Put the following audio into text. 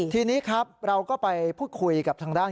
ทีนี้ครับเราก็ไปพูดคุยกับทางด้าน